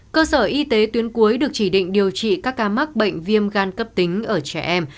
chỉ định điều trị các ca mắc bệnh viêm gan cấp tính ở trẻ em